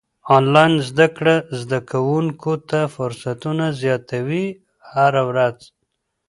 انلاين زده کړه زده کوونکو ته فرصتونه زياتوي هره ورځ.